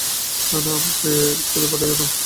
না, আমাকে ইস্কুলে পাঠাইয়ো না।